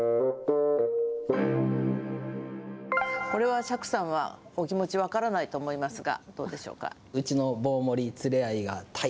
これは、釈さんはお気持ち分からないと思いますが。